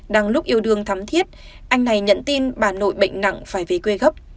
đang lúc yêu đương thắm thiết anh này nhận tin bà nội bệnh nặng phải về quê gấp